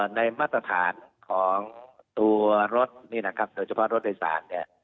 ในมัตตาฐานของตัวรถโดยเฉพาะรถโดยศาล